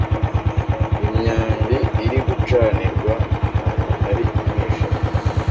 Imyambi iri gucanirwa ahantu hari umwijima